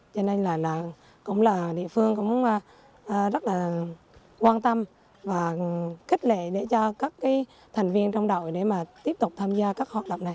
cho nên là cũng là địa phương cũng rất là quan tâm và kích lệ để cho các cái thành viên trong đội để mà tiếp tục tham gia các họp lập này